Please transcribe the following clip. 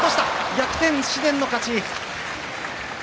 逆転、紫雷の勝ち。